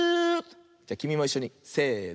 じゃきみもいっしょにせの。